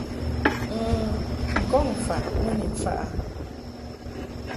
N̂ n-kɔŋ faʼ mɨ ni mfaʼ a.